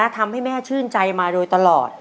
ทำให้แม่ชื่นใจมาโดยตลอด